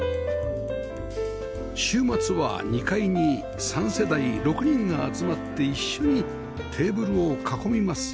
週末は２階に３世代６人が集まって一緒にテーブルを囲みます